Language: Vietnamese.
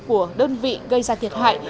của đơn vị gây ra thiệt hại